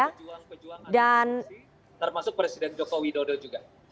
semua kita adalah pejuang anti korupsi termasuk presiden joko widodo juga